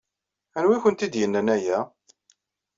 Anwa i akent-id-yennan aya?